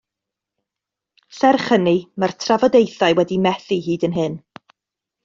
Serch hynny, mae'r trafodaethau wedi methu hyd yn hyn.